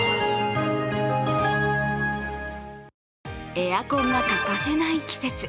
エアコンが欠かせない季節。